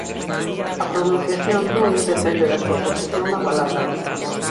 A pronunciación dun depende da súa posición na palabra.